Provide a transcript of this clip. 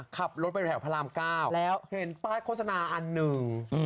ขับรถไปแถวพระรามเก้าแล้วเห็นป้ายโฆษณาอันหนึ่ง